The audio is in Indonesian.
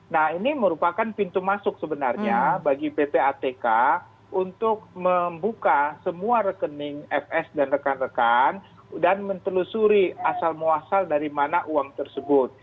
nah ini merupakan pintu masuk sebenarnya bagi ppatk untuk membuka semua rekening fs dan rekan rekan dan mentelusuri asal muasal dari mana uang tersebut